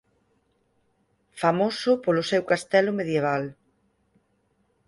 Famoso polo seu castelo medieval.